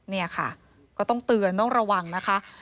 นี่ค่ะก็ต้องเตือนต้องระวังนะคะ